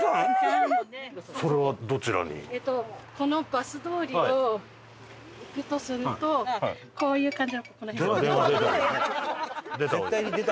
このバス通りを行くとするとこういう感じ。